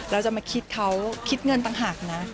เราจะมาคิดเขาคิดเงินต่างหากนะ